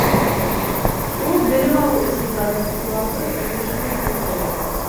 Ул белем алыу ысулдарын, уларҙы берләштереүҙе билдәләй.